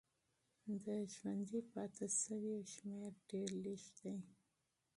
د ژوندي پاتې سویو شمېر ډېر لږ دی.